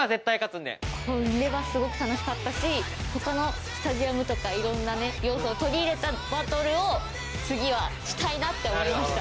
これはすごく楽しかったし他のスタジアムとかいろんな要素を取り入れたバトルを次はしたいなって思いました。